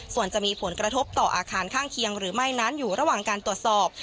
ส่วนจะมีผลกระทบต่ออาคารข้างเคียงหรือไม่นั้นอยู่ระหว่างการตรวจสอบ